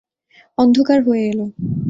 অন্ধকার হয়ে এল।